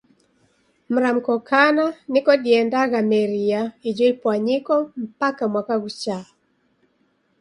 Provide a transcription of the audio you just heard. Mramko kana niko diendaghameria ijo ipwanyiko mpaka mwaka ghuchaa.